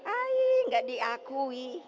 aih gak diakui